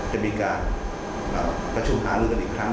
จะมีการประชุมหาลือกันอีกครั้ง